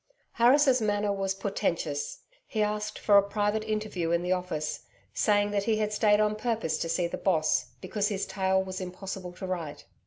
Harris' manner was portentous; he asked for a private interview in the office, saying that he had stayed on purpose to see the Boss, because his tale was impossible to write.